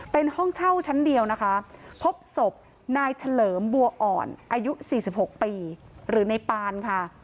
เป็นห้องเช่าชั้นเดียวนะคะพบศพนายเฉลิมบัวอ่อนอายุ๔๖ปีหรือในปานค่ะ